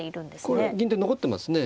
これは銀取り残ってますね。